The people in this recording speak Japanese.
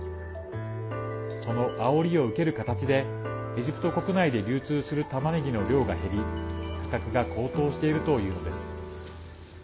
そのあおりを受ける形でエジプト国内で流通するたまねぎの量が減り価格が高騰しているというのです。